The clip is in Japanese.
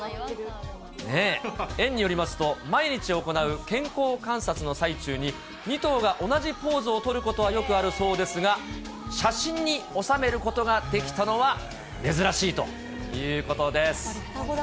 園によりますと、毎日行う健康観察の最中に、２頭が同じポーズを取ることはよくあるそうですが、写真に収めることができたのは珍しいということです。